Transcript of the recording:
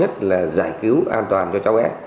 mục đích cao nhất là giải cứu an toàn cho cháu lê